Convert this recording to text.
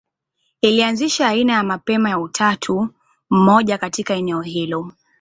Ilianzisha aina ya mapema ya utatu mmoja katika eneo hilo.